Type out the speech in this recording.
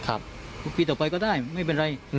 อาทิตย์ก็ได้ไม่เป็นไร